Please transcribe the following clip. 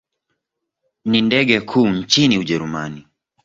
Ni ndege kuu nchini Ujerumani.